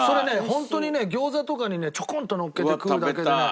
本当にね餃子とかにねちょこんとのっけて食うだけでね。